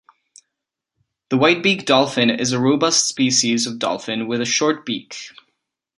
The white-beaked dolphin is a robust species of dolphin with a short beak.